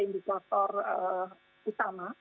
tiga indikator utama